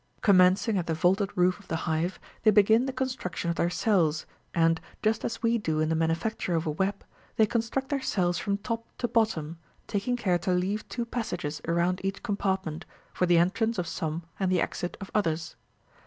Commencing at the vaulted roof of the hive, they begin the construction of their cells, and, just as we do in the manu facture of a web, they construct their cells from top to bottom, taking care to leave two passages around each compartment, for the entrance of some and the exit of others.